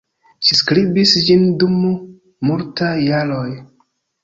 Ŝi skribis ĝin dum multaj jaroj.